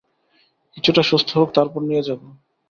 কিছুটা সুস্থ হোক, তারপর নিয়ে যাব।